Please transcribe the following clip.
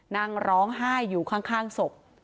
นั่งร้องไห้อยู่ข้างศพ